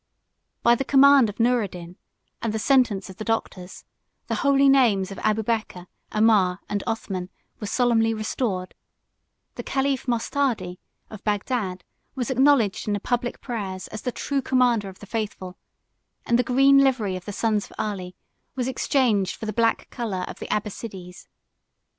By the command of Noureddin, and the sentence of the doctors, the holy names of Abubeker, Omar, and Othman, were solemnly restored: the caliph Mosthadi, of Bagdad, was acknowledged in the public prayers as the true commander of the faithful; and the green livery of the sons of Ali was exchanged for the black color of the Abbassides.